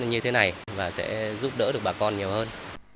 như thế này và sẽ giúp đỡ được bà con nhiều hơn